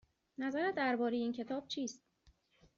نظرت درباره این کتاب چیست؟